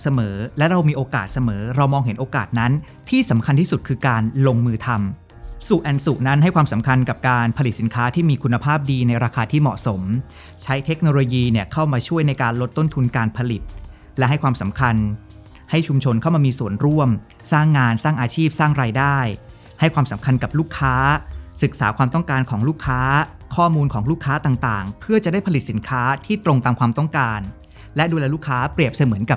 ส่วนนั้นให้ความสำคัญกับการผลิตสินค้าที่มีคุณภาพดีในราคาที่เหมาะสมใช้เทคโนโลยีเข้ามาช่วยในการลดต้นทุนการผลิตและให้ความสำคัญให้ชุมชนเข้ามามีส่วนร่วมสร้างงานสร้างอาชีพสร้างรายได้ให้ความสำคัญกับลูกค้าศึกษาความต้องการของลูกค้าข้อมูลของลูกค้าต่างเพื่อจะได้ผลิตสิ